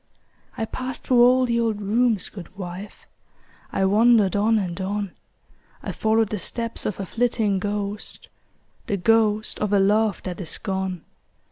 I passed through all the old rooms, good wife; I wandered on and on; I followed the steps of a flitting ghost, The ghost of a love that is gone.